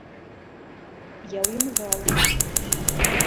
Я ў ім грала.